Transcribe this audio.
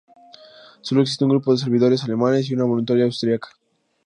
Solo existe un grupo de servidores alemanes y una voluntaria austriaca.